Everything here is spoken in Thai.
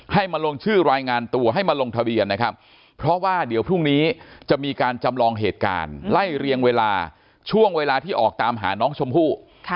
มาลงชื่อรายงานตัวให้มาลงทะเบียนนะครับเพราะว่าเดี๋ยวพรุ่งนี้จะมีการจำลองเหตุการณ์ไล่เรียงเวลาช่วงเวลาที่ออกตามหาน้องชมพู่